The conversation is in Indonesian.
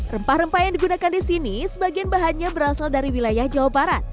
rempah rempah yang digunakan di sini sebagian bahannya berasal dari wilayah jawa barat